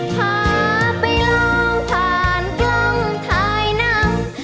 ข้าไปลองทานกล้องทายน้ำ